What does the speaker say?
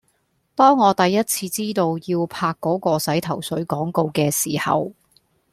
當我第一次知道要拍嗰個洗頭水廣告嘅時候